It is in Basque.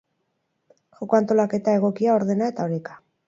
Joko antolaketa egokia, ordena eta oreka.